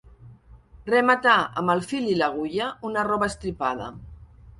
Rematà amb el fil i l'agulla una roba estripada.